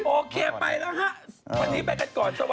โอเคไปแล้ว